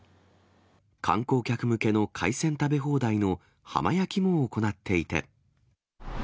観光客向けの海鮮食べ放題の浜焼きも行っていて。